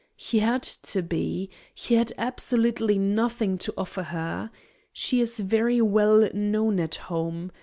He had to be. He had absolutely nothing to offer her. She is very well known at home.